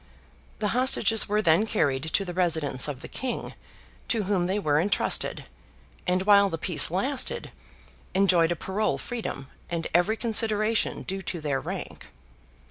The hostages were then carried to the residence of the King, to whom they were entrusted, and while the peace lasted, enjoyed a parole freedom, and every consideration due to their rank.